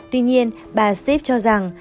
tuy nhiên bà stips cho rằng